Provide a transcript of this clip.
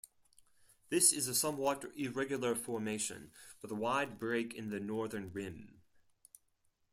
This is a somewhat irregular formation with a wide break in the northern rim.